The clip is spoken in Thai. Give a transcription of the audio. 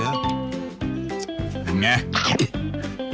อย่างนี้